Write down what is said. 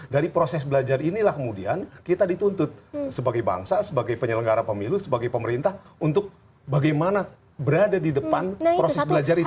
dari proses belajar inilah kemudian kita dituntut sebagai bangsa sebagai penyelenggara pemilu sebagai pemerintah untuk bagaimana berada di depan proses belajar itu